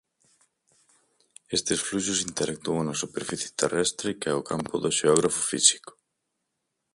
Estes fluxos interactúan na superficie terrestre que é o campo do xeógrafo físico.